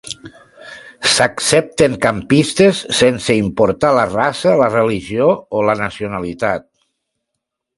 S'accepten campistes sense importar la raça, la religió o la nacionalitat.